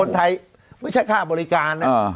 คนไทยไม่ใช่ค่าบริการนะ